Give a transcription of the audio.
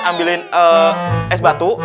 ambilin es batu